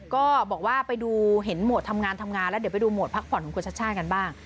ก็บอกว่าไปดูเห็นหมวดทำงานทำงานแล้วเดี๋ยวไปดูโหมดพักผ่อนของคุณชัชชาติกันบ้าง